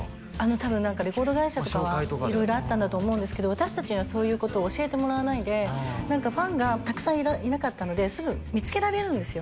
多分何かレコード会社とかは色々あったんだと思うんですけど私達にはそういうことを教えてもらわないで何かファンがたくさんいなかったのですぐ見つけられるんですよ